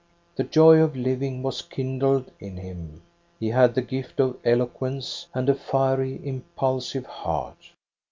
"The joy of living was kindled in him. He had the gift of eloquence, and a fiery, impulsive heart.